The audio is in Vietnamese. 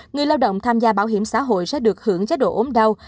người lao động tham gia bảo hiểm xã hội sẽ được hưởng chế độ ốm đau